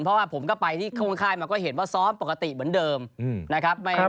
เพราะว่าผมก็ไปที่ข้างมาก็เห็นว่าซ้อมปกติเหมือนเดิมนะครับ